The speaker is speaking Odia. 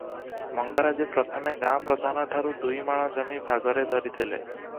ମଙ୍ଗରାଜେ ପ୍ରଥମେ ଗାଁ ପ୍ରଧାନ ଠାରୁ ଦୁଇମାଣ ଜମି ଭାଗରେ ଧରିଥିଲେ ।